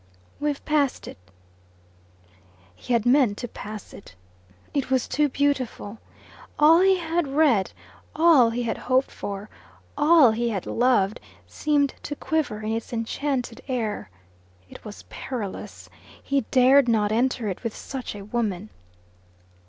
"We've passed it." He had meant to pass it. It was too beautiful. All he had read, all he had hoped for, all he had loved, seemed to quiver in its enchanted air. It was perilous. He dared not enter it with such a woman.